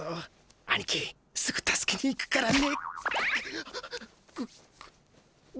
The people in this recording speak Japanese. あにきすぐ助けに行くからね。